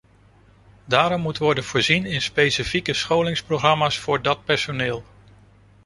Daarom moet worden voorzien in specifieke scholingsprogramma's voor dat personeel.